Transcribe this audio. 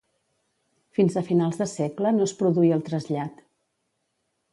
Fins a finals de segle no es produí el trasllat.